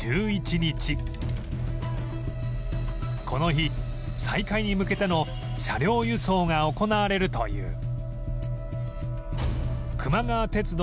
この日再開に向けての車両輸送が行われるという